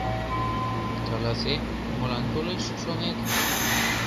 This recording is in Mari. Каласе, молан толеш, шонет?